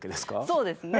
そうですね。